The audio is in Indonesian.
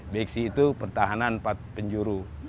beksi itu pertahanan empat penjuru